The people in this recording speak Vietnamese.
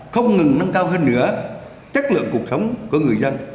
không ngừng nâng cao hơn nữa chất lượng cuộc sống của người dân